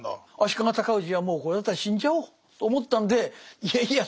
足利尊氏はもうこれだったら死んじゃおうと思ったんでいやいや